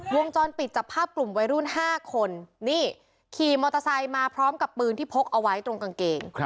วงจรปิดจับภาพกลุ่มวัยรุ่น๕คนนี่ขี่มอเตอร์ไซค์มาพร้อมกับปืนที่พกเอาไว้ตรงกางเกง